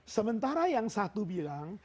sementara yang satu bilang